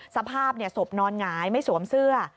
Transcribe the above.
สภาพศพนอนหงายไม่สวมเสื้อ